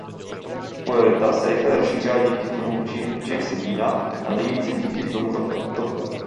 Popularita se rychle rozšířila díky filmům Jamese Deana a nejvíce díky filmu Top Gun.